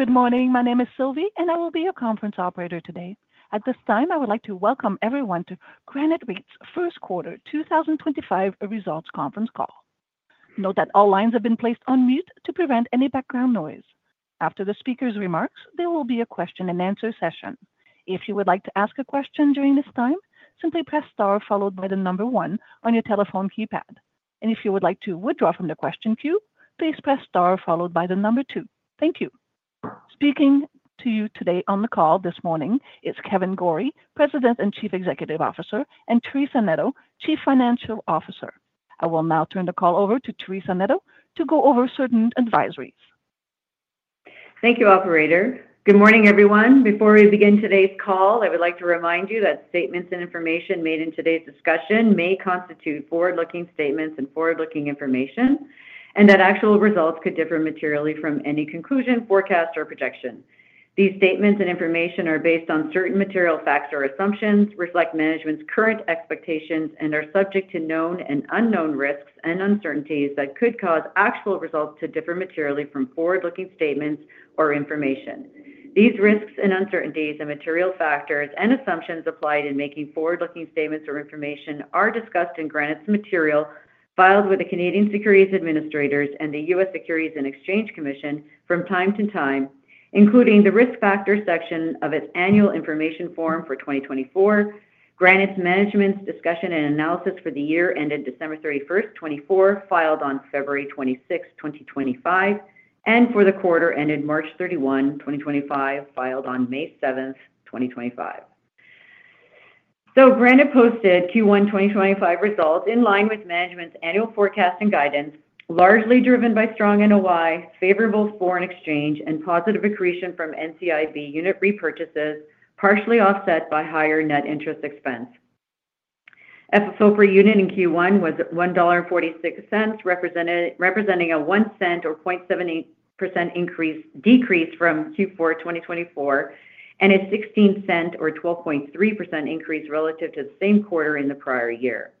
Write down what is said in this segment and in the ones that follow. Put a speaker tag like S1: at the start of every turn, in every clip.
S1: Good morning. My name is Sylvie, and I will be your conference operator today. At this time, I would like to welcome everyone to Granite REIT's first quarter 2025 results conference call. Note that all lines have been placed on mute to prevent any background noise. After the speaker's remarks, there will be a question-and-answer session. If you would like to ask a question during this time, simply press star followed by the number one on your telephone keypad. If you would like to withdraw from the question queue, please press star followed by the number two. Thank you. Speaking to you today on the call this morning is Kevan Gorrie, President and Chief Executive Officer, and Teresa Neto, Chief Financial Officer. I will now turn the call over to Teresa Neto to go over certain advisories.
S2: Thank you, Operator. Good morning, everyone. Before we begin today's call, I would like to remind you that statements and information made in today's discussion may constitute forward-looking statements and forward-looking information, and that actual results could differ materially from any conclusion, forecast, or projection. These statements and information are based on certain material facts or assumptions, reflect management's current expectations, and are subject to known and unknown risks and uncertainties that could cause actual results to differ materially from forward-looking statements or information. These risks and uncertainties and material factors and assumptions applied in making forward-looking statements or information are discussed in Granite's material filed with the Canadian Securities Administrators and the U.S. Securities and Exchange Commission from time to time, including the risk factor section of its annual information form for 2024, Granite's management's discussion and analysis for the year ended December 31st, 2024, filed on February 26, 2025, and for the quarter ended March 31, 2025, filed on May 7, 2025. Granite posted Q1 2025 results in line with management's annual forecast and guidance, largely driven by strong NOI, favorable foreign exchange, and positive accretion from NCIB unit repurchases, partially offset by higher net interest expense. FFO per unit in Q1 was 1.46 dollar, representing a 0.01 or 0.78% decrease from Q4 2024 and a 0.16 or 12.3% increase relative to the same quarter in the prior year.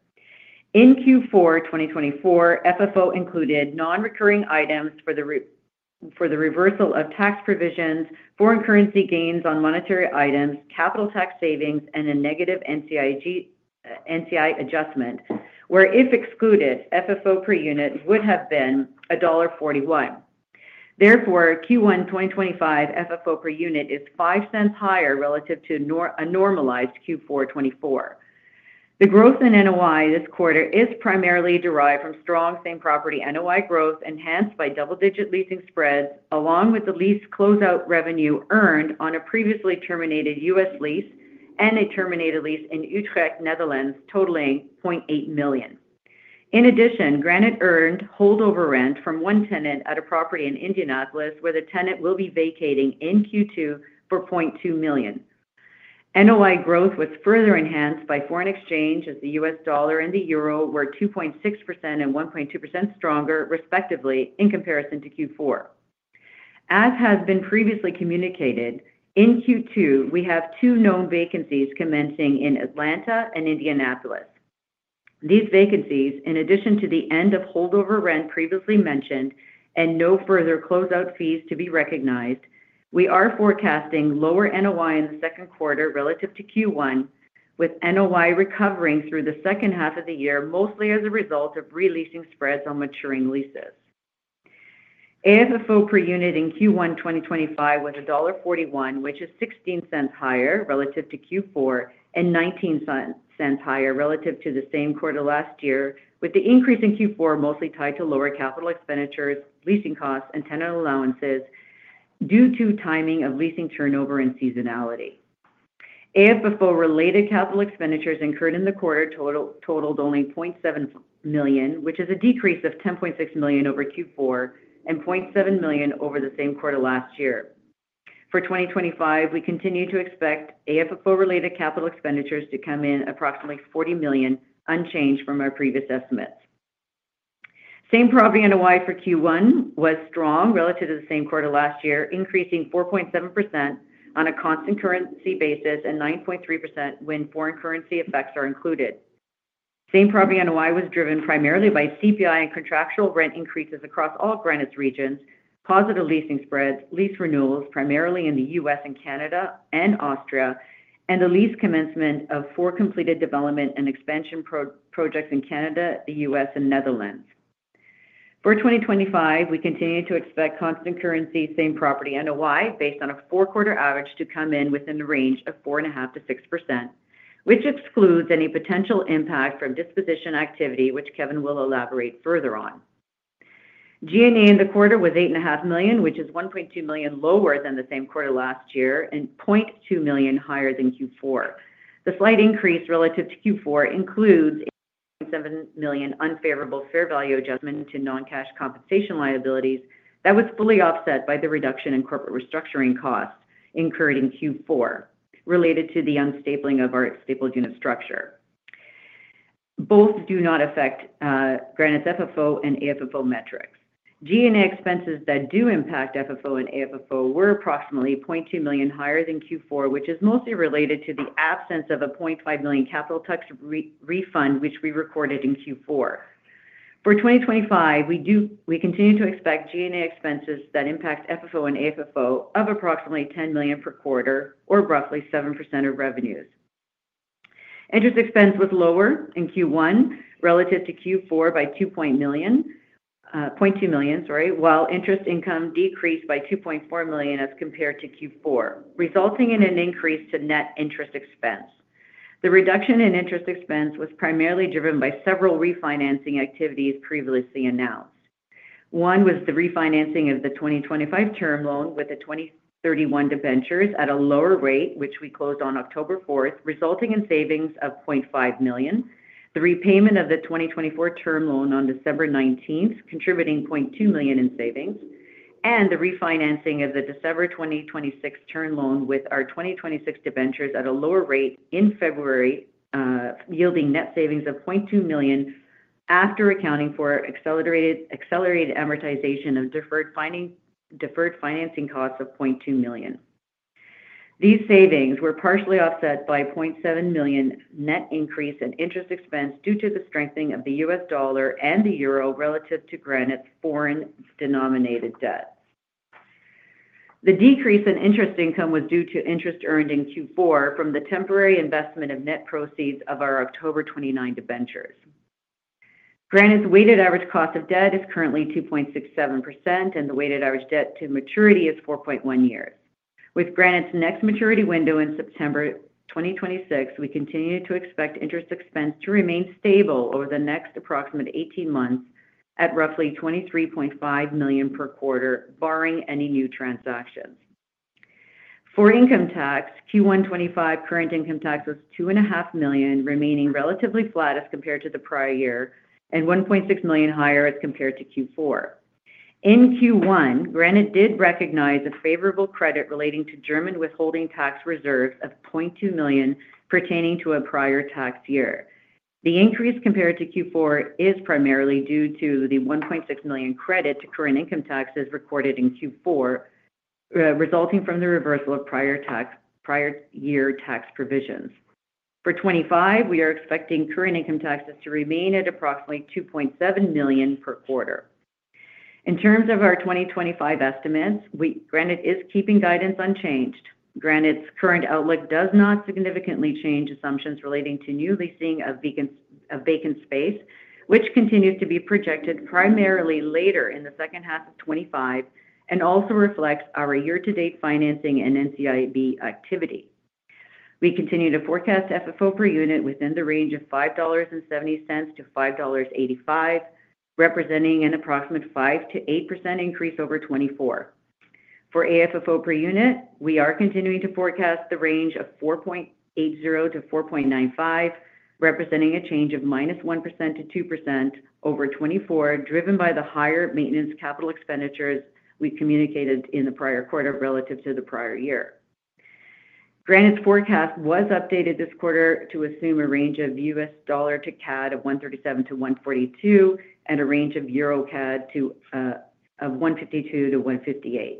S2: In Q4 2024, FFO included non-recurring items for the reversal of tax provisions, foreign currency gains on monetary items, capital tax savings, and a negative NCI adjustment, where if excluded, FFO per unit would have been dollar 1.41. Therefore, Q1 2025 FFO per unit is 0.05 higher relative to a normalized Q4 2024. The growth in NOI this quarter is primarily derived from strong same property NOI growth enhanced by double-digit leasing spreads, along with the lease closeout revenue earned on a previously terminated U.S. lease and a terminated lease in Utrecht, Netherlands, totaling 0.8 million. In addition, Granite earned holdover rent from one tenant at a property in Indianapolis, where the tenant will be vacating in Q2 for 0.2 million. NOI growth was further enhanced by foreign exchange as the U.S. dollar and the Euro were 2.6% and 1.2% stronger, respectively, in comparison to Q4. As has been previously communicated, in Q2, we have two known vacancies commencing in Atlanta and Indianapolis. These vacancies, in addition to the end of holdover rent previously mentioned and no further closeout fees to be recognized, we are forecasting lower NOI in the second quarter relative to Q1, with NOI recovering through the second half of the year, mostly as a result of re-leasing spreads on maturing leases. AFFO per unit in Q1 2025 was dollar 1.41, which is 0.16 higher relative to Q4 and 0.19 higher relative to the same quarter last year, with the increase in Q4 mostly tied to lower capital expenditures, leasing costs, and tenant allowances due to timing of leasing turnover and seasonality. AFFO-related capital expenditures incurred in the quarter totaled only 0.7 million, which is a decrease of 10.6 million over Q4 and 0.7 million over the same quarter last year. For 2025, we continue to expect AFFO-related capital expenditures to come in at approximately 40 million unchanged from our previous estimates. Same property NOI for Q1 was strong relative to the same quarter last year, increasing 4.7% on a constant currency basis and 9.3% when foreign currency effects are included. Same property NOI was driven primarily by CPI and contractual rent increases across all Granite's regions, positive leasing spreads, lease renewals primarily in the U.S. and Canada and Austria, and the lease commencement of four completed development and expansion projects in Canada, the U.S., and Netherlands. For 2025, we continue to expect constant currency, same property NOI based on a four-quarter average to come in within the range of 4.5%-6%, which excludes any potential impact from disposition activity, which Kevan will elaborate further on. G&A in the quarter was 8.5 million, which is 1.2 million lower than the same quarter last year and 0.2 million higher than Q4. The slight increase relative to Q4 includes a 8.7 million unfavorable fair value adjustment to non-cash compensation liabilities that was fully offset by the reduction in corporate restructuring costs incurred in Q4 related to the unstapling of our stapled unit structure. Both do not affect Granite's FFO and AFFO metrics. G&A expenses that do impact FFO and AFFO were approximately 0.2 million higher than Q4, which is mostly related to the absence of a 0.5 million capital tax refund, which we recorded in Q4. For 2025, we continue to expect G&A expenses that impact FFO and AFFO of approximately 10 million per quarter or roughly 7% of revenues. Interest expense was lower in Q1 relative to Q4 by 0.2 million, while interest income decreased by 2.4 million as compared to Q4, resulting in an increase to net interest expense. The reduction in interest expense was primarily driven by several refinancing activities previously announced. One was the refinancing of the 2025 term loan with the 2031 debentures at a lower rate, which we closed on October 4, resulting in savings of 0.5 million, the repayment of the 2024 term loan on December 19, contributing 0.2 million in savings, and the refinancing of the December 2026 term loan with our 2026 debentures at a lower rate in February, yielding net savings of 0.2 million after accounting for accelerated amortization of deferred financing costs of 0.2 million. These savings were partially offset by a 0.7 million net increase in interest expense due to the strengthening of the U.S. dollar and the Euro relative to Granite's foreign-denominated debt. The decrease in interest income was due to interest earned in Q4 from the temporary investment of net proceeds of our October 29 debentures. Granite's weighted average cost of debt is currently 2.67%, and the weighted average debt to maturity is 4.1 years. With Granite's next maturity window in September 2026, we continue to expect interest expense to remain stable over the next approximate 18 months at roughly 23.5 million per quarter, barring any new transactions. For income tax, Q1 2025 current income tax was 2.5 million, remaining relatively flat as compared to the prior year and 1.6 million higher as compared to Q4. In Q1, Granite did recognize a favorable credit relating to German withholding tax reserves of 0.2 million pertaining to a prior tax year. The increase compared to Q4 is primarily due to the 1.6 million credit to current income taxes recorded in Q4, resulting from the reversal of prior year tax provisions. For 2025, we are expecting current income taxes to remain at approximately 2.7 million per quarter. In terms of our 2025 estimates, Granite is keeping guidance unchanged. Granite's current outlook does not significantly change assumptions relating to new leasing of vacant space, which continues to be projected primarily later in the second half of 2025 and also reflects our year-to-date financing and NCIB activity. We continue to forecast FFO per unit within the range of 5.70-5.85 dollars, representing an approximate 5%-8% increase over 2024. For AFFO per unit, we are continuing to forecast the range of 4.80-4.95, representing a change of -1% to 2% over 2024, driven by the higher maintenance capital expenditures we communicated in the prior quarter relative to the prior year. Granite's forecast was updated this quarter to assume a range of U.S. dollar to 1.37-1.42 CAD and a range of EUR to 1.52-1.58 CAD.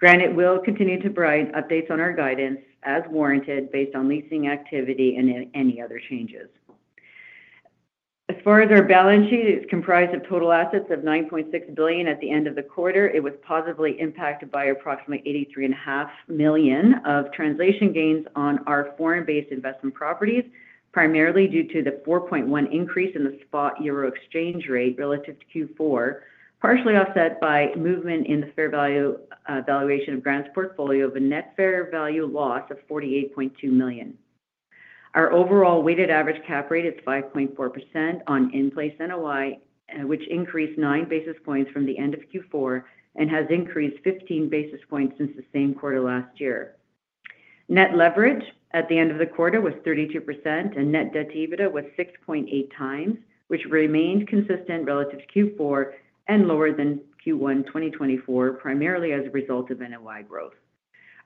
S2: Granite will continue to provide updates on our guidance as warranted based on leasing activity and any other changes. As far as our balance sheet, it's comprised of total assets of 9.6 billion at the end of the quarter. It was positively impacted by approximately 83.5 million of translation gains on our foreign-based investment properties, primarily due to the 4.1% increase in the spot euro exchange rate relative to Q4, partially offset by movement in the fair value valuation of Granite's portfolio of a net fair value loss of 48.2 million. Our overall weighted average cap rate is 5.4% on in-place NOI, which increased 9 basis points from the end of Q4 and has increased 15 basis points since the same quarter last year. Net leverage at the end of the quarter was 32%, and net debt EBITDA was 6.8 times, which remained consistent relative to Q4 and lower than Q1 2024, primarily as a result of NOI growth.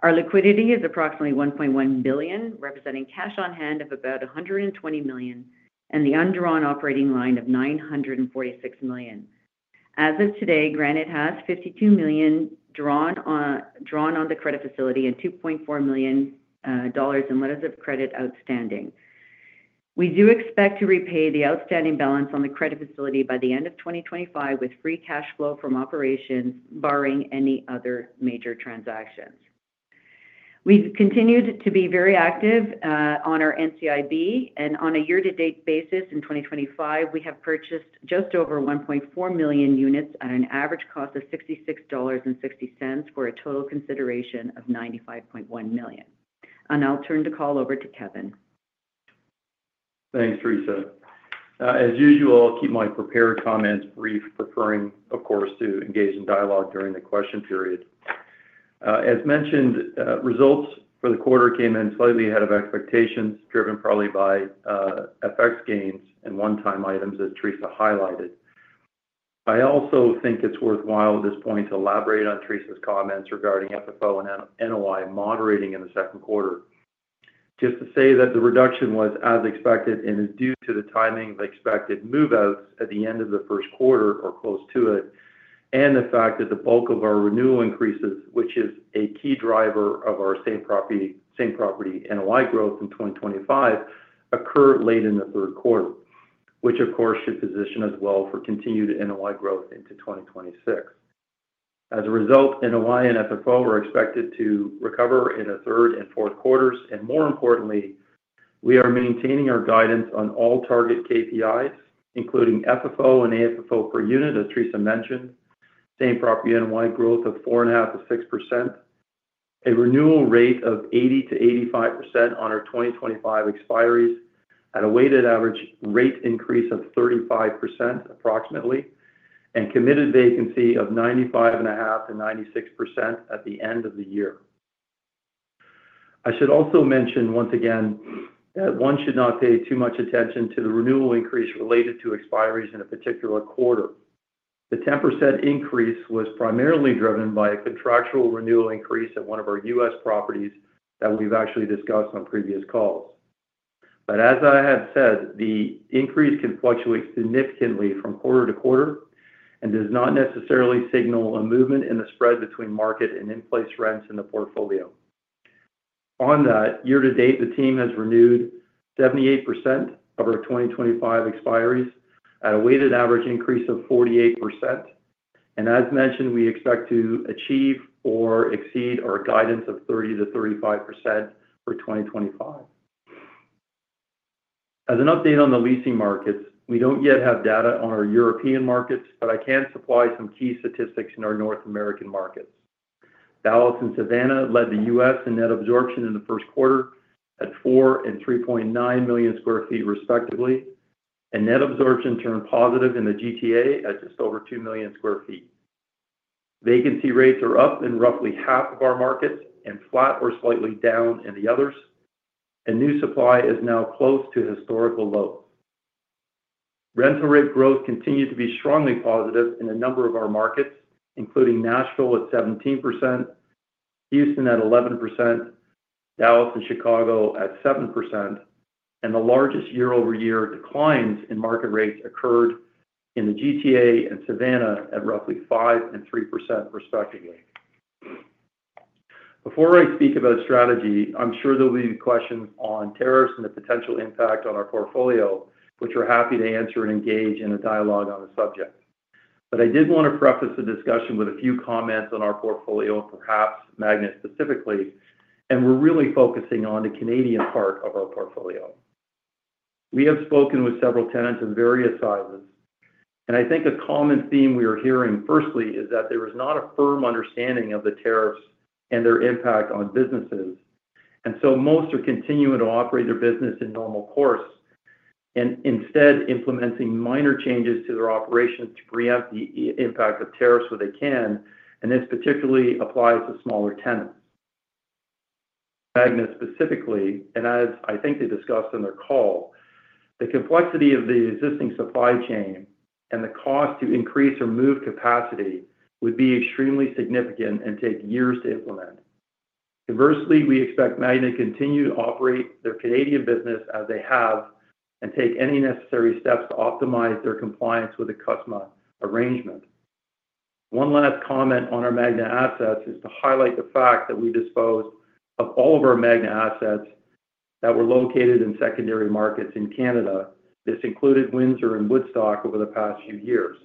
S2: Our liquidity is approximately 1,100 million, representing cash on hand of about 120 million and the undrawn operating line of 946 million. As of today, Granite has 52 million drawn on the credit facility and 2.4 million dollars in letters of credit outstanding. We do expect to repay the outstanding balance on the credit facility by the end of 2025 with free cash flow from operations, barring any other major transactions. We have continued to be very active on our NCIB, and on a year-to-date basis in 2025, we have purchased just over 1.4 million units at an average cost of 66.60 dollars for a total consideration ofCAD $95.1 million. I will turn the call over to Kevan.
S3: Thanks, Teresa. As usual, I will keep my prepared comments brief, preferring, of course, to engage in dialogue during the question period. As mentioned, results for the quarter came in slightly ahead of expectations, driven probably by FX gains and one-time items, as Teresa highlighted. I also think it's worthwhile at this point to elaborate on Teresa's comments regarding FFO and NOI moderating in the second quarter. Just to say that the reduction was as expected and is due to the timing of expected move-outs at the end of the first quarter or close to it, and the fact that the bulk of our renewal increases, which is a key driver of our same property NOI growth in 2025, occur late in the third quarter, which, of course, should position us well for continued NOI growth into 2026. As a result, NOI and FFO are expected to recover in the third and fourth quarters. More importantly, we are maintaining our guidance on all target KPIs, including FFO and AFFO per unit, as Teresa mentioned, same property NOI growth of 4.5%-6%, a renewal rate of 80%-85% on our 2025 expiries at a weighted average rate increase of approximately 35%, and committed vacancy of 95.5%-96% at the end of the year. I should also mention once again that one should not pay too much attention to the renewal increase related to expiries in a particular quarter. The 10% increase was primarily driven by a contractual renewal increase at one of our U.S. properties that we have actually discussed on previous calls. As I had said, the increase can fluctuate significantly from quarter to quarter and does not necessarily signal a movement in the spread between market and in-place rents in the portfolio. On that, year-to-date, the team has renewed 78% of our 2025 expiries at a weighted average increase of 48%. As mentioned, we expect to achieve or exceed our guidance of 30%-35% for 2025. As an update on the leasing markets, we do not yet have data on our European markets, but I can supply some key statistics in our North American markets. Dallas and Savannah led the U.S. in net absorption in the first quarter at 4.0 million sq ft and 3.9 million sq ft, respectively, and net absorption turned positive in the GTA at just over 2 million sq ft. Vacancy rates are up in roughly half of our markets and flat or slightly down in the others, and new supply is now close to historical lows. Rental rate growth continued to be strongly positive in a number of our markets, including Nashville at 17%, Houston at 11%, Dallas and Chicago at 7%, and the largest year-over-year declines in market rates occurred in the GTA and Savannah at roughly 5% and 3%, respectively. Before I speak about strategy, I'm sure there will be questions on tariffs and the potential impact on our portfolio, which we're happy to answer and engage in a dialogue on the subject. I did want to preface the discussion with a few comments on our portfolio, perhaps Magna specifically, and we're really focusing on the Canadian part of our portfolio. We have spoken with several tenants of various sizes, and I think a common theme we are hearing firstly is that there is not a firm understanding of the tariffs and their impact on businesses. Most are continuing to operate their business in normal course and instead implementing minor changes to their operations to preempt the impact of tariffs where they can, and this particularly applies to smaller tenants. Magna specifically, and as I think they discussed on their call, the complexity of the existing supply chain and the cost to increase or move capacity would be extremely significant and take years to implement. Conversely, we expect Magna to continue to operate their Canadian business as they have and take any necessary steps to optimize their compliance with the customer arrangement. One last comment on our Magna assets is to highlight the fact that we disposed of all of our Magna assets that were located in secondary markets in Canada. This included Windsor and Woodstock over the past few years.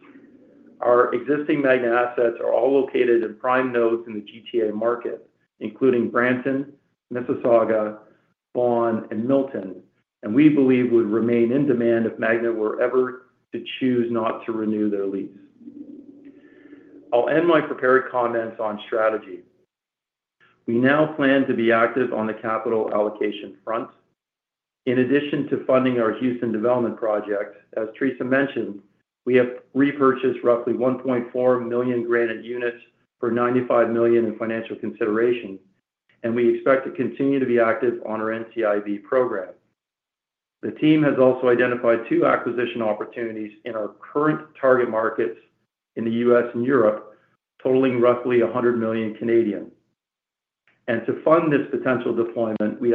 S3: Our existing Magna assets are all located in prime nodes in the GTA market, including Brampton, Mississauga, Vaughan, and Milton, and we believe would remain in demand if Magna were ever to choose not to renew their lease. I'll end my prepared comments on strategy. We now plan to be active on the capital allocation front. In addition to funding our Houston development projects, as Teresa mentioned, we have repurchased roughly 1.4 million Granite units for 95 million in financial consideration, and we expect to continue to be active on our NCIB program. The team has also identified two acquisition opportunities in our current target markets in the U.S. and Europe, totaling roughly 100 million. To fund this potential deployment, we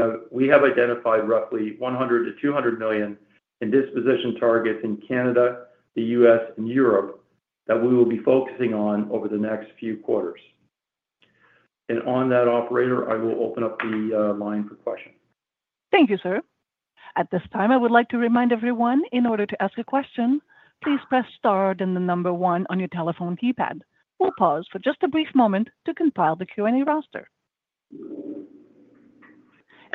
S3: have identified roughly 100 million-200 million in disposition targets in Canada, the U.S., and Europe that we will be focusing on over the next few quarters. On that, Operator, I will open up the line for questions.
S1: Thank you, sir. At this time, I would like to remind everyone, in order to ask a question, please press star then the number one on your telephone keypad. We'll pause for just a brief moment to compile the Q&A roster.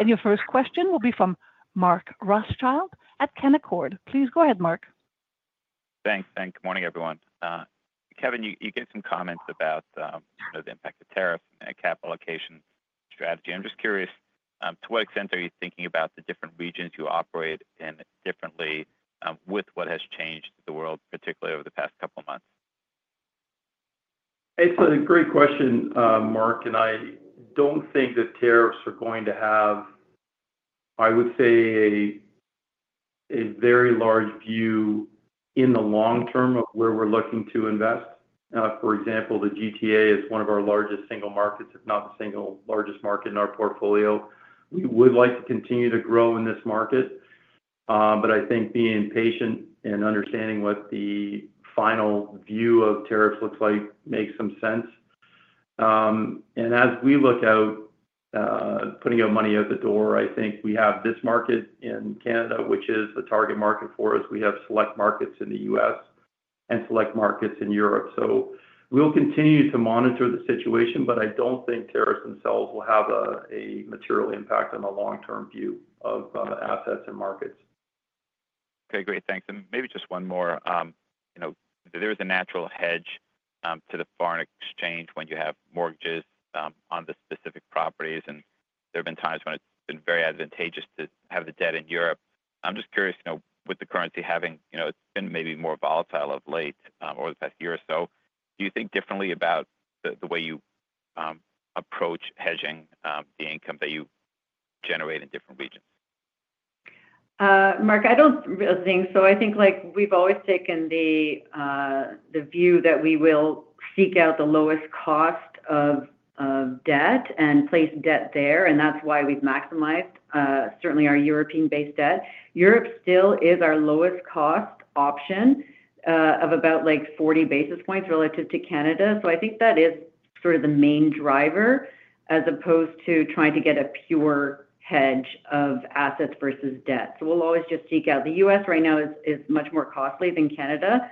S1: Your first question will be from Mark Rothschild at Canaccord. Please go ahead, Mark.
S4: Thanks. Good morning, everyone. Kevan, you gave some comments about the impact of tariffs and capital allocation strategy. I'm just curious, to what extent are you thinking about the different regions you operate in differently with what has changed the world, particularly over the past couple of months?
S3: It's a great question, Mark, and I don't think that tariffs are going to have, I would say, a very large view in the long term of where we're looking to invest. For example, the GTA is one of our largest single markets, if not the single largest market in our portfolio. We would like to continue to grow in this market, but I think being patient and understanding what the final view of tariffs looks like makes some sense. As we look at putting our money out the door, I think we have this market in Canada, which is the target market for us. We have select markets in the U.S. and select markets in Europe. We'll continue to monitor the situation, but I don't think tariffs themselves will have a material impact on the long-term view of assets and markets.
S4: Okay. Great. Thanks. Maybe just one more. There is a natural hedge to the foreign exchange when you have mortgages on the specific properties, and there have been times when it's been very advantageous to have the debt in Europe. I'm just curious, with the currency having been maybe more volatile of late over the past year or so, do you think differently about the way you approach hedging the income that you generate in different regions?
S2: Mark, I don't think so. I think we've always taken the view that we will seek out the lowest cost of debt and place debt there, and that's why we've maximized, certainly, our European-based debt. Europe still is our lowest cost option of about 40 basis points relative to Canada. I think that is sort of the main driver as opposed to trying to get a pure hedge of assets versus debt. We will always just seek out. The U.S. right now is much more costly than Canada,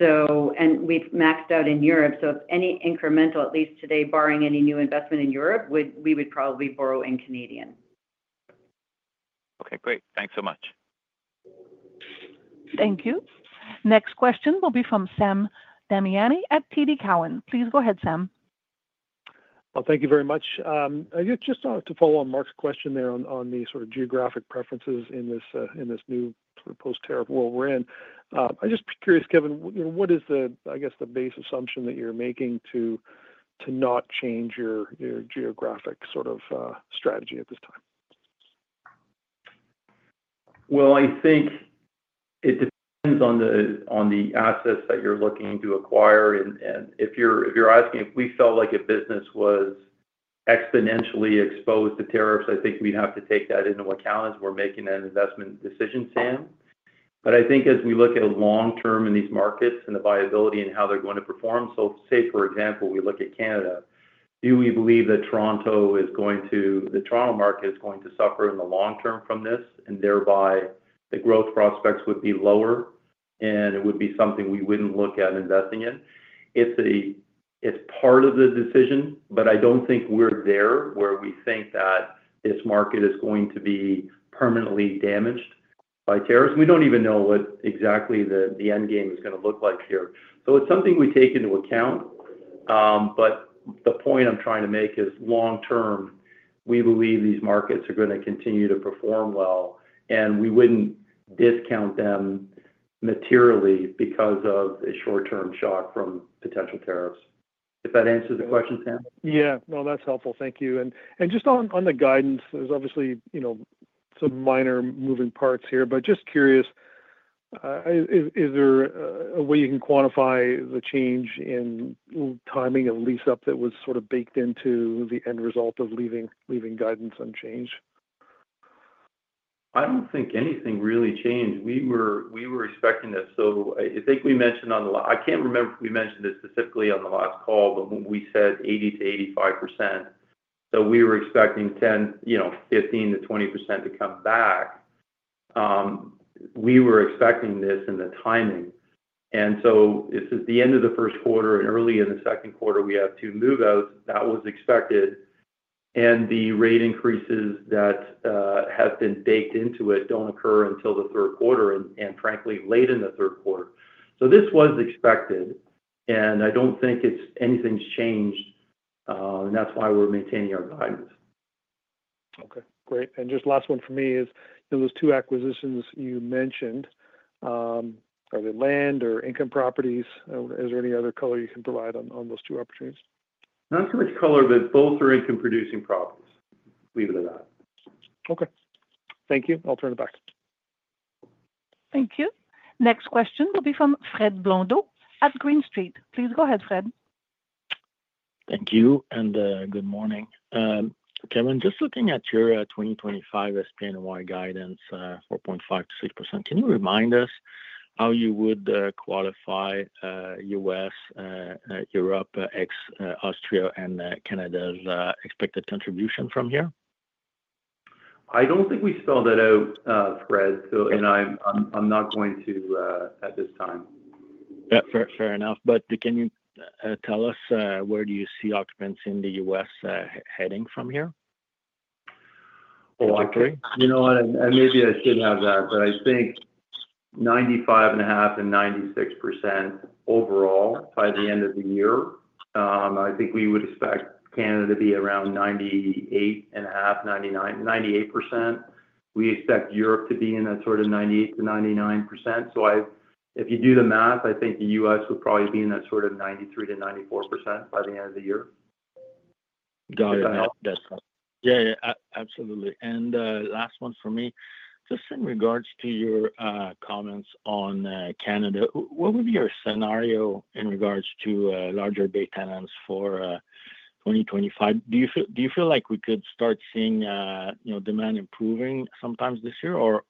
S2: and we have maxed out in Europe. If any incremental, at least today, barring any new investment in Europe, we would probably borrow in Canadian.
S4: Okay. Great. Thanks so much.
S1: Thank you. Next question will be from Sam Damiani at TD Cowen. Please go ahead, Sam.
S5: Thank you very much. I just wanted to follow on Mark's question there on the sort of geographic preferences in this new sort of post-terror world we are in. I'm just curious, Kevan, what is the, I guess, the base assumption that you're making to not change your geographic sort of strategy at this time?
S3: I think it depends on the assets that you're looking to acquire. If you're asking if we felt like a business was exponentially exposed to tariffs, I think we'd have to take that into account as we're making an investment decision, Sam. I think as we look at long-term in these markets and the viability and how they're going to perform, say, for example, we look at Canada, do we believe that Toronto is going to—the Toronto market is going to suffer in the long term from this, and thereby the growth prospects would be lower, and it would be something we wouldn't look at investing in? It's part of the decision, but I don't think we're there where we think that this market is going to be permanently damaged by tariffs. We don't even know what exactly the end game is going to look like here. It is something we take into account. The point I'm trying to make is long-term, we believe these markets are going to continue to perform well, and we wouldn't discount them materially because of a short-term shock from potential tariffs. If that answers the question, Sam?
S5: Yeah. No, that's helpful. Thank you. Just on the guidance, there's obviously some minor moving parts here, but just curious, is there a way you can quantify the change in timing of lease-up that was sort of baked into the end result of leaving guidance unchanged?
S3: I don't think anything really changed. We were expecting this. I think we mentioned on the—I cannot remember if we mentioned this specifically on the last call, but we said 80%-85%. We were expecting 15%-20% to come back. We were expecting this in the timing. This is the end of the first quarter, and early in the second quarter, we have two move-outs. That was expected. The rate increases that have been baked into it do not occur until the third quarter and, frankly, late in the third quarter. This was expected, and I do not think anything has changed, and that is why we are maintaining our guidance.
S5: Okay. Great. Just last one for me is those two acquisitions you mentioned, are they land or income properties? Is there any other color you can provide on those two opportunities?
S3: Not too much color, but both are income-producing properties, believe it or not.
S5: Okay. Thank you. I'll turn it back.
S1: Thank you. Next question will be from Fred Blondeau at Green Street. Please go ahead, Fred.
S6: Thank you, and good morning. Kevan, just looking at your 2025 SPNY guidance, 4.5%-6%, can you remind us how you would qualify U.S., Europe, Austria, and Canada's expected contribution from here?
S3: I don't think we spelled that out, Fred, and I'm not going to at this time.
S6: Fair enough. But can you tell us where do you see occupants in the U.S. heading from here?
S3: You know what? And maybe I shouldn't have that, but I think 95.5%-96% overall by the end of the year. I think we would expect Canada to be around 98.5%-99, 98%. We expect Europe to be in that sort of 98%-99%. So if you do the math, I think the U.S. would probably be in that sort of 93%-94% by the end of the year.
S6: Got it. That's fine. Yeah. Absolutely. And last one for me, just in regards to your comments on Canada, what would be your scenario in regards to larger bay tenants for 2025? Do you feel like we could start seeing demand improving sometimes this year, or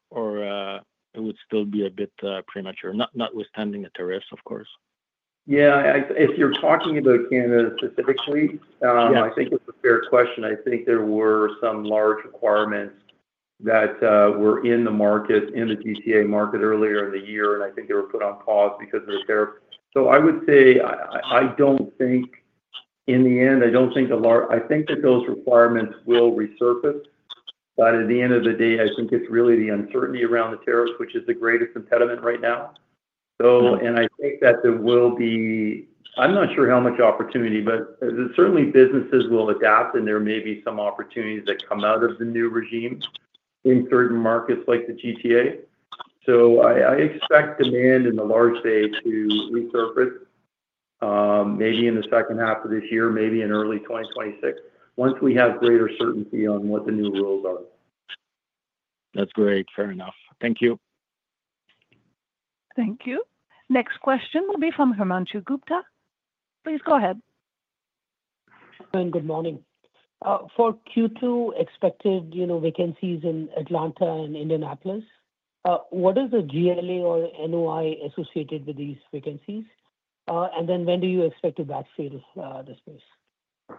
S6: it would still be a bit premature, notwithstanding the tariffs, of course?
S3: Yeah. If you're talking about Canada specifically, I think it's a fair question. I think there were some large requirements that were in the market, in the GTA market earlier in the year, and I think they were put on pause because of the tariffs. So I would say I don't think in the end, I don't think the large—I think that those requirements will resurface. At the end of the day, I think it's really the uncertainty around the tariffs, which is the greatest impediment right now. I think that there will be—I'm not sure how much opportunity, but certainly businesses will adapt, and there may be some opportunities that come out of the new regime in certain markets like the GTA. I expect demand in the large Bay to resurface maybe in the second half of this year, maybe in early 2026, once we have greater certainty on what the new rules are.
S6: That's great. Fair enough. Thank you.
S1: Thank you. Next question will be from Himanshu Gupta. Please go ahead.
S7: Good morning. For Q2, expected vacancies in Atlanta and Indianapolis. What is the GLA or NOI associated with these vacancies? When do you expect to backfill this space?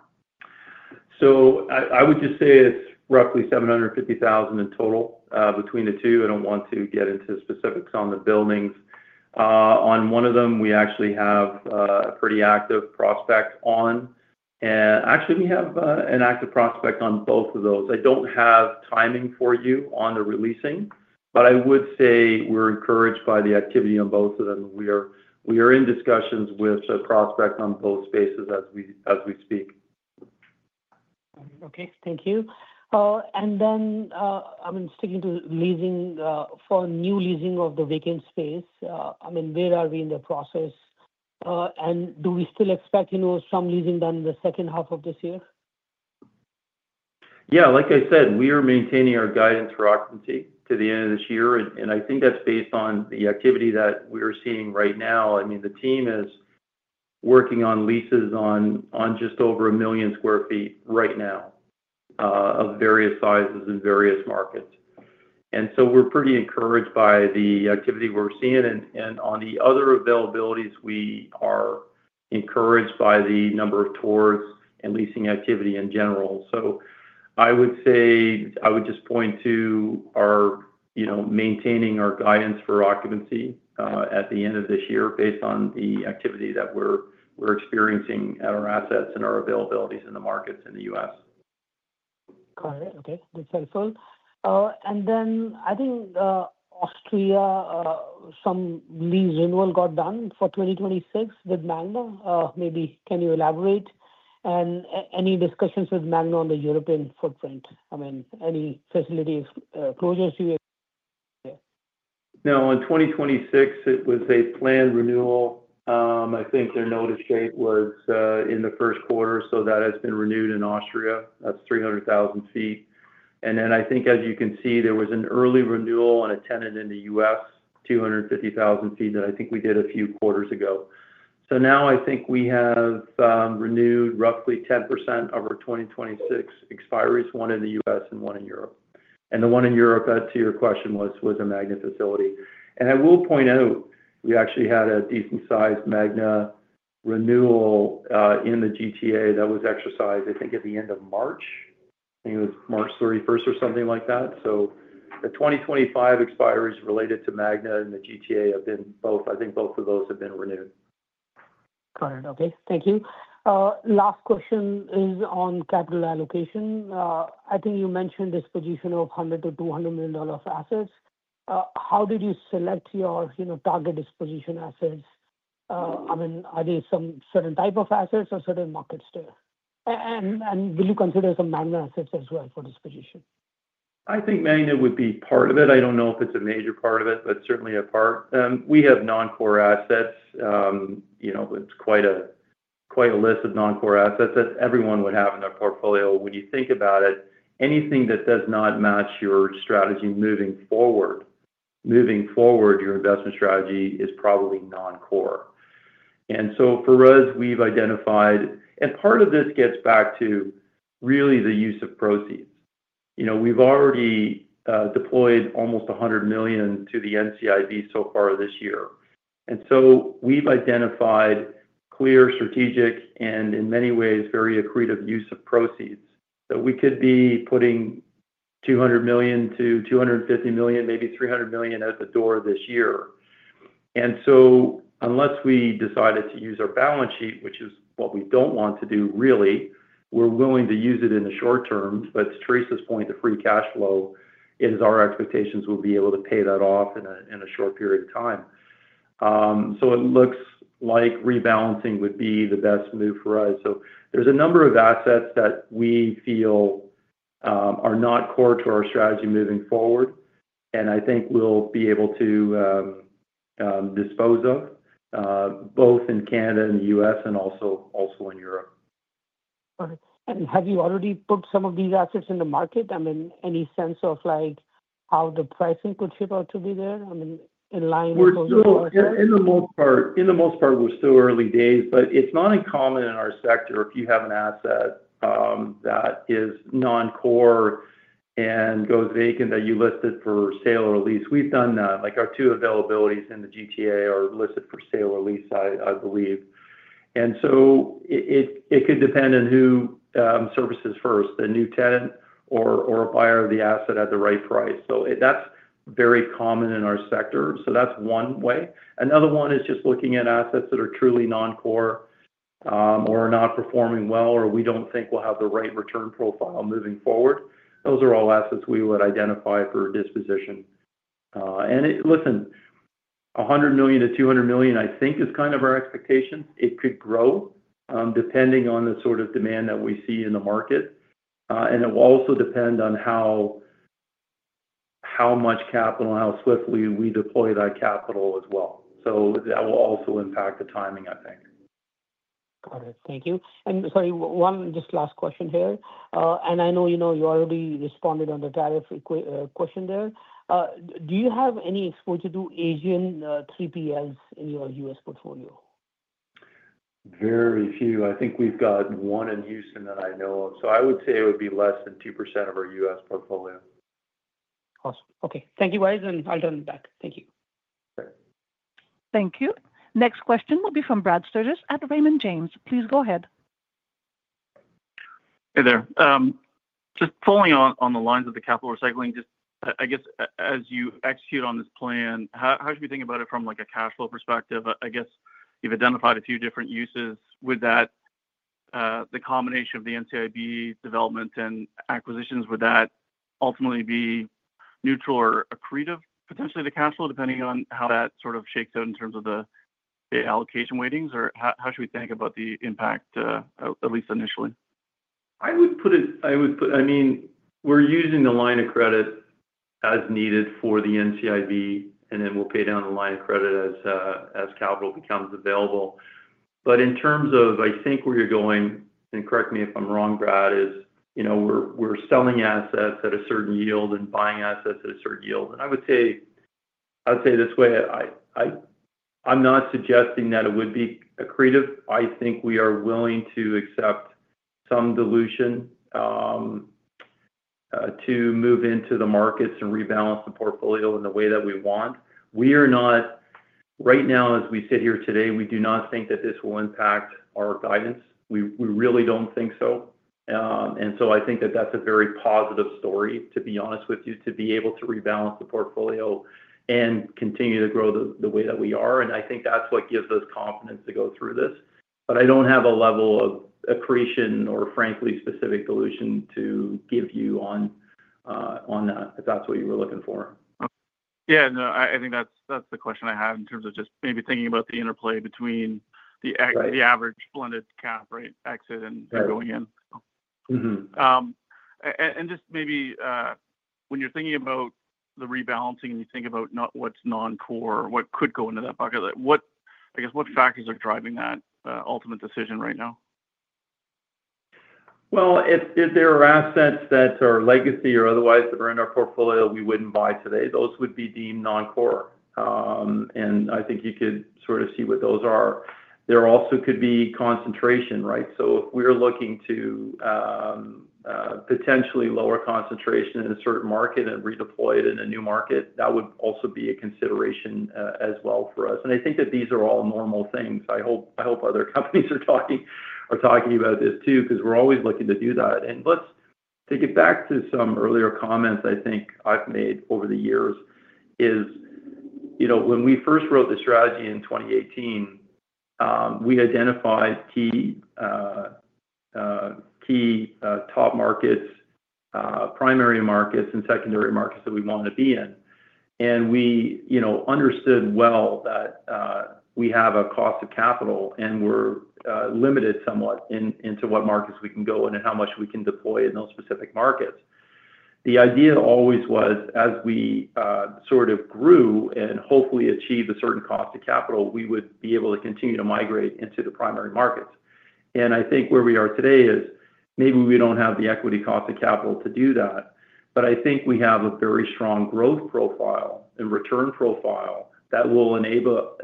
S3: I would just say it's roughly 750,000 in total between the two. I don't want to get into specifics on the buildings. On one of them, we actually have a pretty active prospect on. Actually, we have an active prospect on both of those. I don't have timing for you on the releasing, but I would say we're encouraged by the activity on both of them. We are in discussions with a prospect on both spaces as we speak.
S7: Okay. Thank you. I mean, sticking to leasing for new leasing of the vacant space, where are we in the process? And do we still expect some leasing done in the second half of this year?
S3: Yeah. Like I said, we are maintaining our guidance for occupancy to the end of this year, and I think that's based on the activity that we're seeing right now. I mean, the team is working on leases on just over 1 million sq ft right now of various sizes in various markets. We are pretty encouraged by the activity we are seeing. On the other availabilities, we are encouraged by the number of tours and leasing activity in general. I would say I would just point to maintaining our guidance for occupancy at the end of this year based on the activity that we are experiencing at our assets and our availabilities in the markets in the U.S.
S7: Got it. Okay. That is helpful. I think Austria, some lease renewal got done for 2026 with Magna. Maybe can you elaborate on any discussions with Magna on the European footprint? I mean, any facility closures you have?
S3: No. In 2026, it was a planned renewal. I think their notice date was in the first quarter, so that has been renewed in Austria. That is 300,000 sq ft. I think, as you can see, there was an early renewal on a tenant in the U.S., 250,000 sq ft that I think we did a few quarters ago. Now I think we have renewed roughly 10% of our 2026 expiries, one in the U.S. and one in Europe. The one in Europe, to your question, was a Magna facility. I will point out we actually had a decent-sized Magna renewal in the GTA that was exercised, I think, at the end of March. I think it was March 31 or something like that. The 2025 expiries related to Magna and the GTA have been both—I think both of those have been renewed.
S7: Got it. Okay. Thank you. Last question is on capital allocation. I think you mentioned disposition of 100 million-200 million dollars assets. How did you select your target disposition assets? I mean, are they some certain type of assets or certain markets there? Will you consider some Magna assets as well for disposition?
S3: I think Magna would be part of it. I do not know if it is a major part of it, but certainly a part. We have non-core assets. It is quite a list of non-core assets that everyone would have in their portfolio. When you think about it, anything that does not match your strategy moving forward, your investment strategy, is probably non-core. For us, we have identified—and part of this gets back to really the use of proceeds. We have already deployed almost 100 million to the NCIB so far this year. We have identified clear strategic and, in many ways, very accretive use of proceeds that we could be putting 200 million-250 million, maybe 300 million out the door this year. Unless we decided to use our balance sheet, which is what we do not want to do really, we are willing to use it in the short term. To Teresa's point, the free cash flow is our expectation we will be able to pay that off in a short period of time. It looks like rebalancing would be the best move for us. There are a number of assets that we feel are not core to our strategy moving forward and I think we will be able to dispose of both in Canada and the U.S. and also in Europe.
S7: Got it. Have you already put some of these assets in the market? I mean, any sense of how the pricing could shift out to be there? I mean, in line with—
S3: in the most part. In the most part, we're still early days, but it's not uncommon in our sector if you have an asset that is non-core and goes vacant that you list it for sale or lease. We've done that. Our two availabilities in the GTA are listed for sale or lease, I believe. It could depend on who surfaces first, the new tenant or a buyer of the asset at the right price. That is very common in our sector. That is one way. Another one is just looking at assets that are truly non-core or not performing well or we do not think will have the right return profile moving forward. Those are all assets we would identify for disposition. Listen, 100 million-200 million, I think, is kind of our expectation. It could grow depending on the sort of demand that we see in the market. It will also depend on how much capital, how swiftly we deploy that capital as well. That will also impact the timing, I think.
S7: Got it. Thank you. Sorry, one just last question here. I know you already responded on the tariff question there. Do you have any exposure to Asian 3PLs in your U.S. portfolio?
S3: Very few. I think we've got one in Houston that I know of. I would say it would be less than 2% of our U.S. portfolio.
S7: Awesome. Okay. Thank you, guys. I'll turn it back. Thank you.
S1: Thank you. Next question will be from Brad Sturges at Raymond James. Please go ahead.
S8: Hey there. Just following on the lines of the capital recycling, I guess, as you execute on this plan, how should we think about it from a cash flow perspective? I guess you've identified a few different uses. Would the combination of the NCIB, development, and acquisitions, would that ultimately be neutral or accretive, potentially, to cash flow, depending on how that sort of shakes out in terms of the allocation weightings? Or how should we think about the impact, at least initially?
S3: I would put it—I would put, I mean, we're using the line of credit as needed for the NCIB, and then we'll pay down the line of credit as capital becomes available. In terms of, I think where you're going, and correct me if I'm wrong, Brad, is we're selling assets at a certain yield and buying assets at a certain yield. I would say this way, I'm not suggesting that it would be accretive. I think we are willing to accept some dilution to move into the markets and rebalance the portfolio in the way that we want. Right now, as we sit here today, we do not think that this will impact our guidance. We really do not think so. I think that is a very positive story, to be honest with you, to be able to rebalance the portfolio and continue to grow the way that we are. I think that is what gives us confidence to go through this. I do not have a level of accretion or, frankly, specific dilution to give you on that, if that is what you were looking for.
S8: Yeah. No, I think that's the question I had in terms of just maybe thinking about the interplay between the average blended cap, right, exit and going in. Just maybe when you're thinking about the rebalancing and you think about what's non-core, what could go into that bucket, I guess, what factors are driving that ultimate decision right now?
S3: If there are assets that are legacy or otherwise that are in our portfolio we wouldn't buy today, those would be deemed non-core. I think you could sort of see what those are. There also could be concentration, right? If we're looking to potentially lower concentration in a certain market and redeploy it in a new market, that would also be a consideration as well for us. I think that these are all normal things. I hope other companies are talking about this too because we're always looking to do that. Let's take it back to some earlier comments I think I've made over the years. When we first wrote the strategy in 2018, we identified key top markets, primary markets, and secondary markets that we wanted to be in. We understood well that we have a cost of capital and we're limited somewhat in what markets we can go in and how much we can deploy in those specific markets. The idea always was, as we sort of grew and hopefully achieved a certain cost of capital, we would be able to continue to migrate into the primary markets. I think where we are today is maybe we don't have the equity cost of capital to do that. I think we have a very strong growth profile and return profile that will enable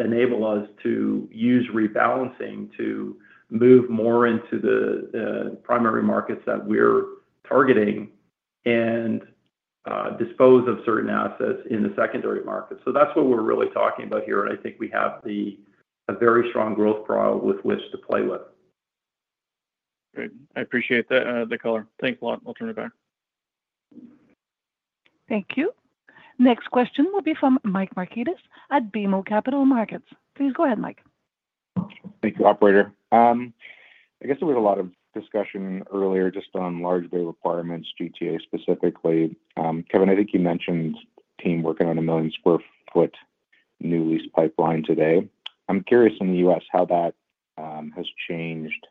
S3: us to use rebalancing to move more into the primary markets that we're targeting and dispose of certain assets in the secondary markets. That is what we're really talking about here. I think we have a very strong growth profile with which to play with.
S8: Great. I appreciate the color. Thanks a lot. I'll turn it back.
S1: Thank you. Next question will be from Mike Markidis at BMO Capital Markets. Please go ahead, Mike.
S9: Thank you, operator. I guess there was a lot of discussion earlier just on large bay requirements, GTA specifically. Kevan, I think you mentioned team working on a million square foot new lease pipeline today. I'm curious in the U.S. how that has changed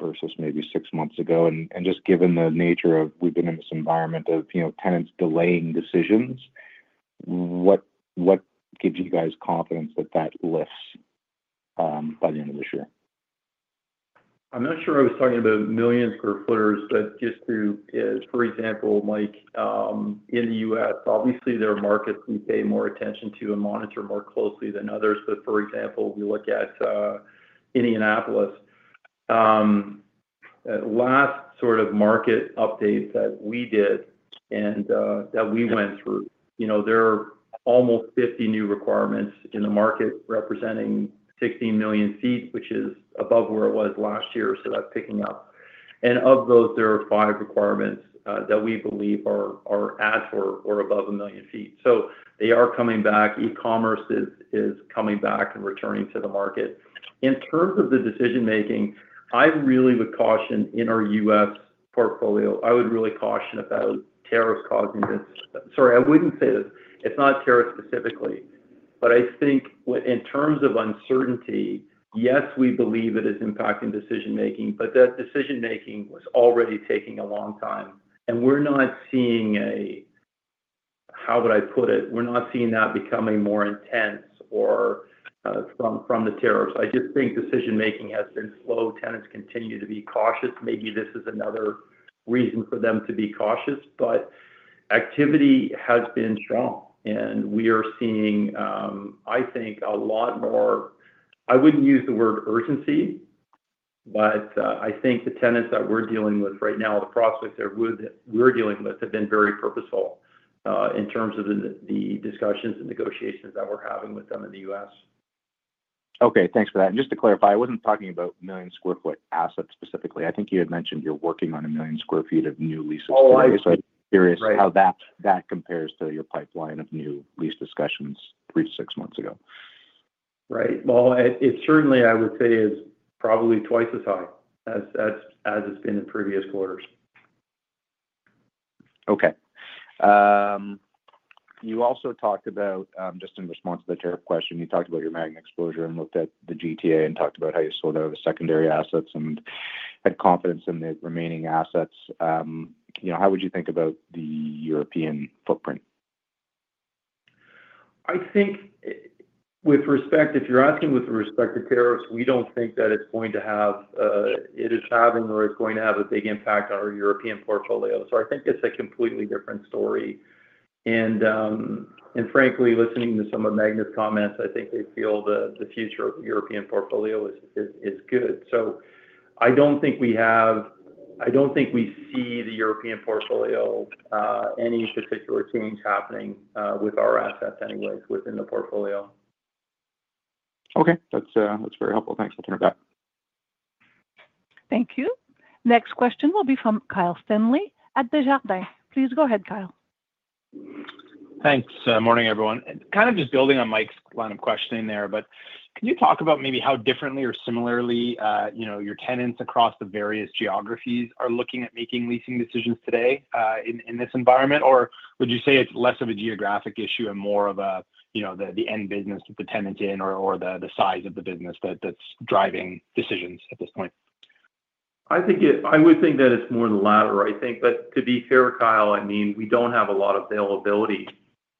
S9: versus maybe six months ago. Just given the nature of we've been in this environment of tenants delaying decisions, what gives you guys confidence that that lifts by the end of this year?
S3: I'm not sure I was talking about million square footers, but just to, for example, Mike, in the U.S., obviously, there are markets we pay more attention to and monitor more closely than others. For example, we look at Indianapolis. Last sort of market update that we did and that we went through, there are almost 50 new requirements in the market representing 16 million sq ft, which is above where it was last year. That's picking up. Of those, there are five requirements that we believe are as or above a million feet. They are coming back. E-commerce is coming back and returning to the market. In terms of the decision-making, I really would caution in our U.S. portfolio, I would really caution about tariffs causing this. Sorry, I would not say this. It is not tariffs specifically. I think in terms of uncertainty, yes, we believe it is impacting decision-making, but that decision-making was already taking a long time. We are not seeing a, how would I put it, we are not seeing that becoming more intense from the tariffs. I just think decision-making has been slow. Tenants continue to be cautious. Maybe this is another reason for them to be cautious. Activity has been strong. We are seeing, I think, a lot more—I would not use the word urgency—but I think the tenants that we are dealing with right now, the prospects that we are dealing with, have been very purposeful in terms of the discussions and negotiations that we are having with them in the U.S.
S9: Okay. Thanks for that. Just to clarify, I was not talking about million sqaure foot assets specifically. I think you had mentioned you are working on a million square feet of new lease expiry. I am curious how that compares to your pipeline of new lease discussions three to six months ago.
S3: Right. It certainly, I would say, is probably twice as high as it has been in previous quarters.
S9: Okay. You also talked about, just in response to the tariff question, you talked about your Magna exposure and looked at the GTA and talked about how you sort out the secondary assets and had confidence in the remaining assets. How would you think about the European footprint?
S3: I think with respect, if you are asking with respect to tariffs, we do not think that it is going to have—it is having or it is going to have a big impact on our European portfolio. I think it's a completely different story. Frankly, listening to some of Magna's comments, I think they feel the future of the European portfolio is good. I don't think we see the European portfolio, any particular change happening with our assets anyways within the portfolio.
S9: Okay. That's very helpful. Thanks. I'll turn it back.
S1: Thank you. Next question will be from Kyle Stanley at Desjardins. Please go ahead, Kyle.
S10: Thanks. Good morning, everyone. Kind of just building on Mike's line of questioning there, but can you talk about maybe how differently or similarly your tenants across the various geographies are looking at making leasing decisions today in this environment? Or would you say it's less of a geographic issue and more of the end business that the tenant is in or the size of the business that's driving decisions at this point?
S3: I would think that it's more the latter, I think. To be fair, Kyle, I mean, we don't have a lot of availability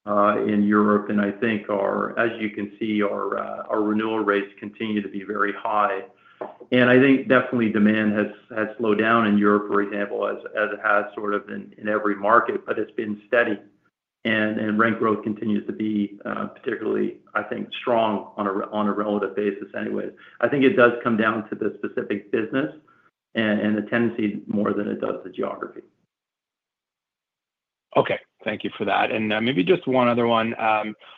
S3: in Europe. I think, as you can see, our renewal rates continue to be very high. I think definitely demand has slowed down in Europe, for example, as it has sort of in every market, but it's been steady. Rent growth continues to be particularly, I think, strong on a relative basis anyways. I think it does come down to the specific business and the tenancy more than it does the geography.
S10: Okay. Thank you for that. Maybe just one other one.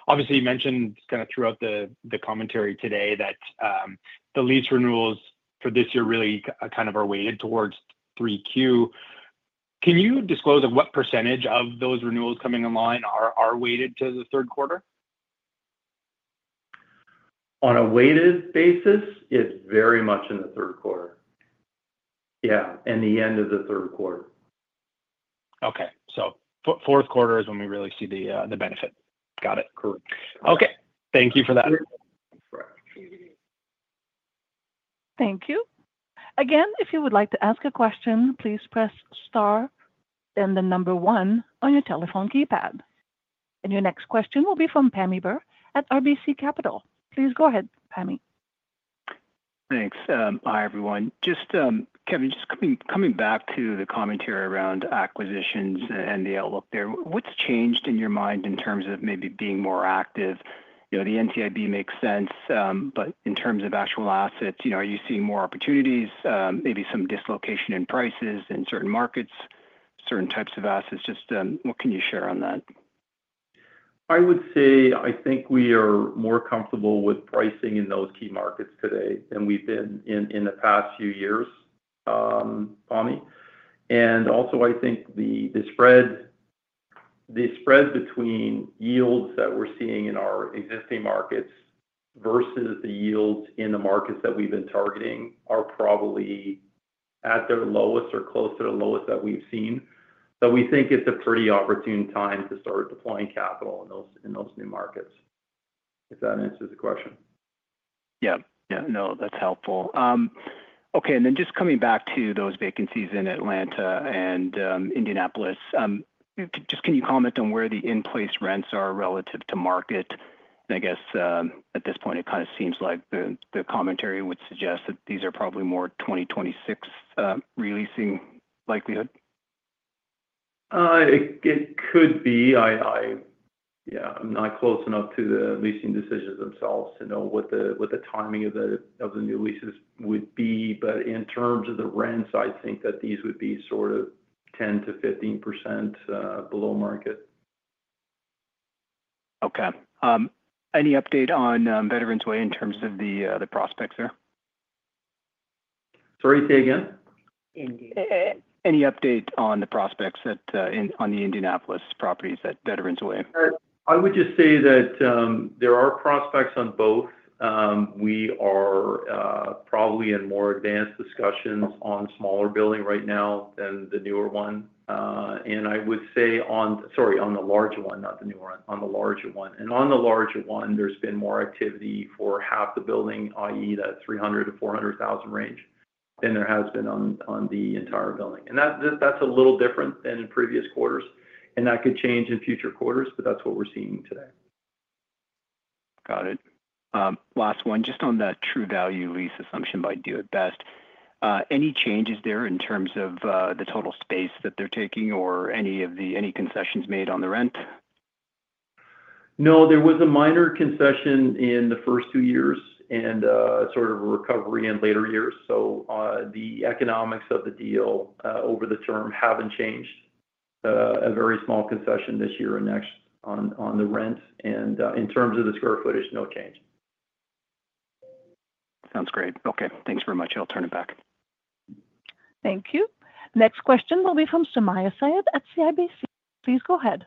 S10: Obviously, you mentioned kind of throughout the commentary today that the lease renewals for this year really kind of are weighted towards 3Q. Can you disclose what percentage of those renewals coming online are weighted to the third quarter?
S3: On a weighted basis, it's very much in the third quarter. Yeah. And the end of the third quarter.
S10: Okay. Fourth quarter is when we really see the benefit. Got it. Correct. Okay. Thank you for that.
S1: Thank you. Again, if you would like to ask a question, please press star and then number one on your telephone keypad. Your next question will be from Pammi Bir at RBC Capital. Please go ahead, Pammi.
S11: Thanks. Hi, everyone. Just, Kevan, just coming back to the commentary around acquisitions and the outlook there, what's changed in your mind in terms of maybe being more active? The NCIB makes sense, but in terms of actual assets, are you seeing more opportunities, maybe some dislocation in prices in certain markets, certain types of assets? Just what can you share on that?
S3: I would say I think we are more comfortable with pricing in those key markets today than we've been in the past few years, Pammi. I think the spread between yields that we're seeing in our existing markets versus the yields in the markets that we've been targeting are probably at their lowest or close to the lowest that we've seen. We think it's a pretty opportune time to start deploying capital in those new markets. If that answers the question.
S11: Yeah. Yeah. No, that's helpful. Okay. Just coming back to those vacancies in Atlanta and Indianapolis, can you comment on where the in-place rents are relative to market? I guess at this point, it kind of seems like the commentary would suggest that these are probably more 2026 releasing likelihood.
S3: It could be. Yeah. I'm not close enough to the leasing decisions themselves to know what the timing of the new leases would be. In terms of the rents, I think that these would be sort of 10%-15% below market.
S11: Okay. Any update on Veterans Way in terms of the prospects there?
S3: Sorry, say again? Indianapolis.
S11: Any update on the prospects on the Indianapolis properties at Veterans Way?
S3: I would just say that there are prospects on both. We are probably in more advanced discussions on the smaller building right now than the newer one. I would say, sorry, on the larger one, not the newer one, on the larger one. On the larger one, there has been more activity for half the building, i.e., that 300,000-400,000 range, than there has been on the entire building. That is a little different than in previous quarters. That could change in future quarters, but that's what we're seeing today.
S11: Got it. Last one. Just on the True Value lease assumption by Do It Best. Any changes there in terms of the total space that they're taking or any concessions made on the rent?
S3: No, there was a minor concession in the first two years and sort of a recovery in later years. The economics of the deal over the term haven't changed. A very small concession this year and next on the rent. In terms of the square footage, no change.
S11: Sounds great. Okay. Thanks very much. I'll turn it back.
S1: Thank you. Next question will be from Sumayya Syed at CIBC. Please go ahead.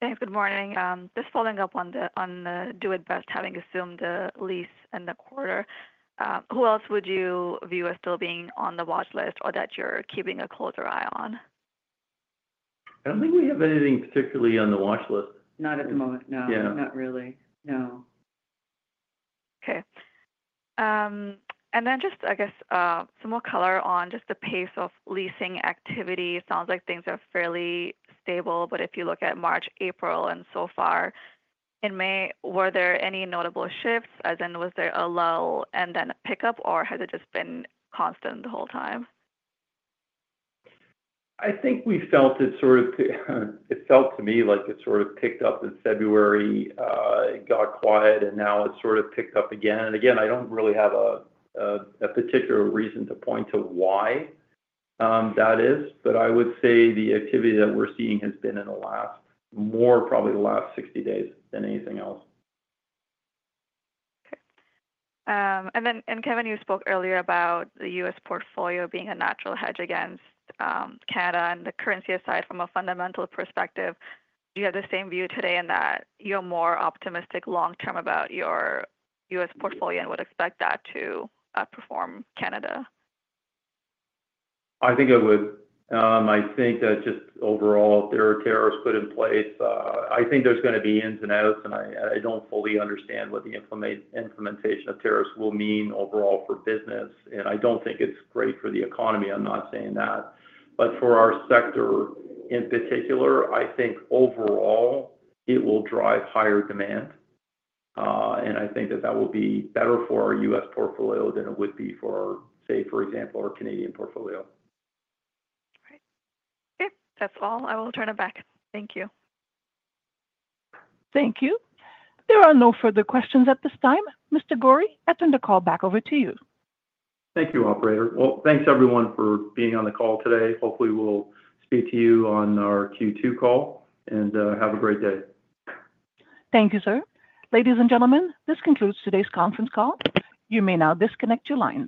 S12: Hey, good morning. Just following up on the Do It Best having assumed the lease in the quarter, who else would you view as still being on the watch list or that you're keeping a closer eye on?
S3: I don't think we have anything particularly on the watch list.
S2: Not at the moment. No, not really. No.
S12: Okay. I guess, some more color on just the pace of leasing activity. It sounds like things are fairly stable. If you look at March, April, and so far in May, were there any notable shifts? As in, was there a lull and then a pickup, or has it just been constant the whole time?
S3: I think we felt it sort of, it felt to me like it sort of picked up in February. It got quiet, and now it's sort of picked up again. I do not really have a particular reason to point to why that is. I would say the activity that we are seeing has been in the last, more probably the last 60 days than anything else.
S12: Okay. Kevin, you spoke earlier about the U.S. portfolio being a natural hedge against Canada. The currency, aside from a fundamental perspective, do you have the same view today in that you are more optimistic long term about your U.S. portfolio and would expect that to perform Canada?
S3: I think I would. I think that just overall, if there are tariffs put in place, there are going to be ins and outs. I do not fully understand what the implementation of tariffs will mean overall for business. I do not think it is great for the economy. I am not saying that. For our sector in particular, I think overall, it will drive higher demand. I think that that will be better for our U.S. portfolio than it would be for, say, for example, our Canadian portfolio.
S12: Okay. Okay. That's all. I will turn it back. Thank you.
S1: Thank you. There are no further questions at this time. Mr. Gorrie, I'll turn the call back over to you.
S3: Thank you, operator. Thanks, everyone, for being on the call today. Hopefully, we'll speak to you on our Q2 call. Have a great day.
S1: Thank you, sir. Ladies and gentlemen, this concludes today's conference call. You may now disconnect your lines.